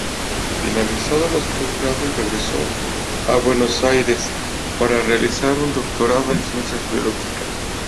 Finalizados los posgrados regresó a Buenos Aires para realizar un doctorado en Ciencias Biológicas.